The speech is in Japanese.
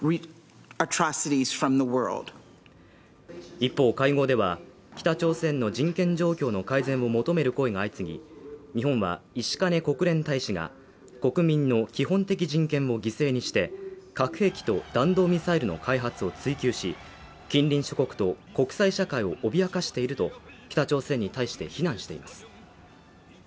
一方会合では、北朝鮮の人権状況の改善を求める声が相次ぎ、日本は石兼国連大使が、国民の基本的人権も犠牲にして核兵器と弾道ミサイルの開発を追求し、近隣諸国と国際社会を脅かしていると北朝鮮に対して非難しています。